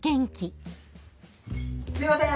すいません！